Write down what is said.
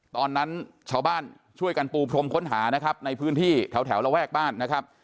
ตอนนั้นชาวบ้านช่วยกันปูพรมค้นหานะครับในพื้นที่แถวระแวกบ้านนะครับ